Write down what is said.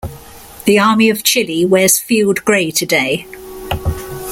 The Army of Chile wears field grey today.